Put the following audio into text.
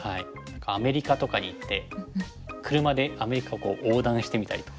アメリカとかに行って車でアメリカを横断してみたりとか。